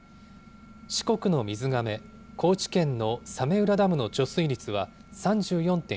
四国の水がめ、高知県の早明浦ダムの貯水率は３４．９％。